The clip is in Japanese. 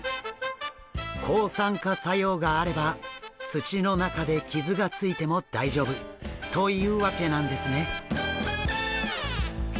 抗酸化作用があれば土の中で傷がついても大丈夫というわけなんですね。